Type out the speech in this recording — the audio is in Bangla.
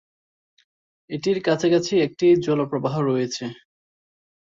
এটির কাছাকাছি একটি জলপ্রবাহ রয়েছে।